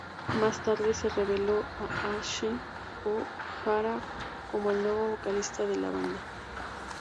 Más tarde se reveló a Ashe O’Hara como el nuevo vocalista de la banda.